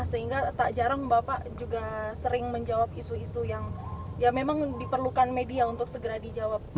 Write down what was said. sehingga tak jarang bapak juga sering menjawab isu isu yang ya memang diperlukan media untuk segera dijawab